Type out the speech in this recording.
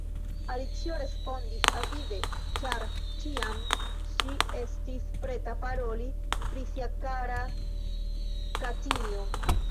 Alicio respondis avide, ĉar ĉiam ŝi estis preta paroli pri sia kara katinjo.